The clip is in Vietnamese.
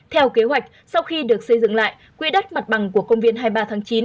theo kế hoạch sau khi được xây dựng lại quỹ đất mặt bằng của công viên hai mươi ba tháng chín